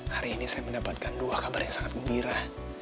hari ini saya mendapatkan dua kabar yang sangat gembira